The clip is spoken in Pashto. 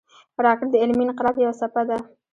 راکټ د علمي انقلاب یوه څپه ده